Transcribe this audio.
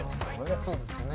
そうですね。